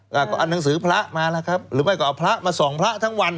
ก็เอาหนังสือพระมาแล้วครับหรือไม่ก็เอาพระมาส่องพระทั้งวัน